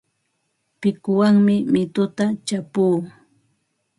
Pikuwanmi mituta chapuu.